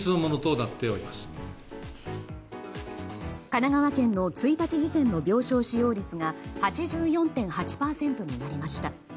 神奈川県の１日時点の病床使用率が８４．８％になりました。